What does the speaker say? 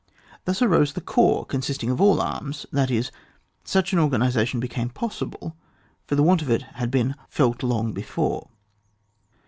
— Thus arose the corps consisting of all arms, that is, thus such an organisation became possible, for the want of it had been felt long before.